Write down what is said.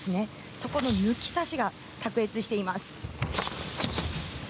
そこの抜き差しが卓越しています。